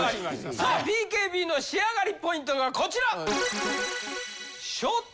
さあＢＫＢの仕上がりポイントがこちら！